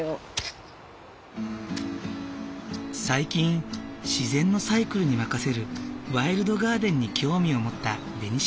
最近自然のサイクルに任せるワイルドガーデンに興味を持ったベニシアさん。